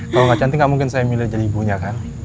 kalau nggak cantik nggak mungkin saya milih jadi ibunya kan